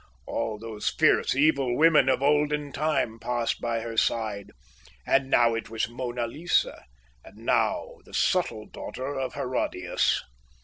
All those fierce evil women of olden time passed by her side, and now it was Mona Lisa and now the subtle daughter of Herodias.